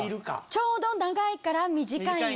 ちょうど長いから短いに。